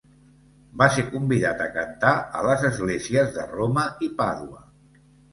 Va ser convidat a cantar a les esglésies de Roma i Pàdua.